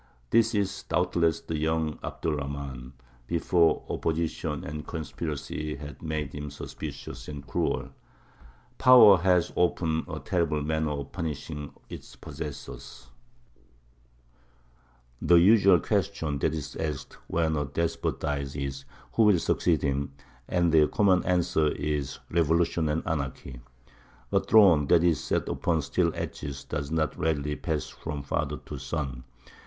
This is doubtless the young Abd er Rahmān, before opposition and conspiracy had made him suspicious and cruel. Power has often a terrible manner of punishing its possessors. [Illustration: THE BRIDGE OF CORDOVA.] The usual question that is asked, when a despot dies, is, Who will succeed him? And the common answer is, Revolution and anarchy. A throne that is set upon steel edges does not readily pass from father to son.